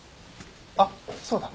あっそうだ。